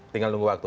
tinggal nunggu waktu